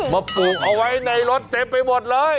ปลูกเอาไว้ในรถเต็มไปหมดเลย